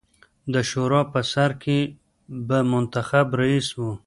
د شورا په سر کې به منتخب رییس وي.